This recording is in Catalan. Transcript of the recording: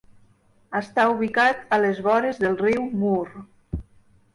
Està ubicat a les vores del riu Mur.